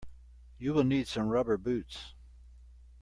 You will need some rubber boots.